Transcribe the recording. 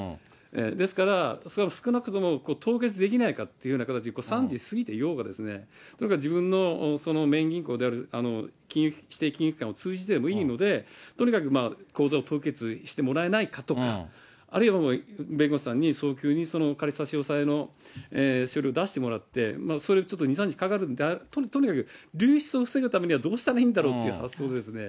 ですから、少なくとも凍結できないかっていうような形で、３時を過ぎていようが、自分のメイン銀行である指定金融機関を通じてでもいいので、とにかく口座を凍結してもらえないかとか、あるいは弁護士さんに早急にその仮押さえの書類を出してもらって、それ、ちょっと、２、３日かかるのであれば、とうきょう流出を防ぐためにはどうしたらいいんだろうっていう発想ですね。